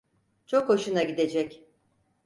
Çok hoşuna gidecek.